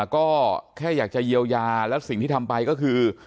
ก็แค่อยากจะเยียวยาแล้วสิ่งที่ทำไปก็คือ